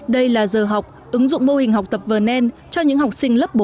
đây là giờ học ứng dụng mô hình học tập vernon cho những học sinh lớp bốn